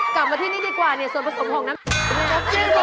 กลับมาที่นี้ดีกว่านี่ส่วนผสมของน้ำจิ๊บ